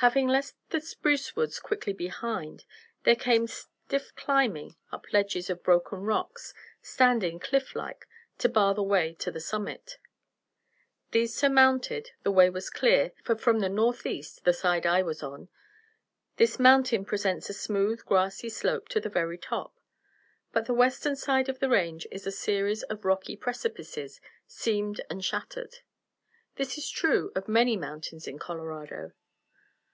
Having left the spruce woods quickly behind, there came some stiff climbing up ledges of broken rocks, standing, cliff like, to bar the way to the summit. These surmounted, the way was clear, for from the northeast the side I was on this mountain presents a smooth grassy slope to the very top; but the western side of the range is a series of rocky precipices, seamed and shattered. This is true of many mountains in Colorado.